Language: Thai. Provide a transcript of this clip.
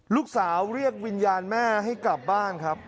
ลูกสาวเรียกวิญญาณแม่ให้กลับบ้านครับ